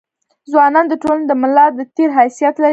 ځوانان د ټولني د ملا د تیر حيثيت لري.